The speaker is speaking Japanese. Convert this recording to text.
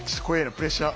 プレッシャー。